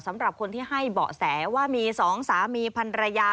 สำหรับคนที่ให้เบาะแสว่ามี๒สามีพันรยา